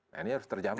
nah ini harus terjamin